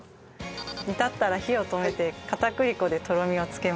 煮立ったら火を止めて片栗粉でとろみをつけます。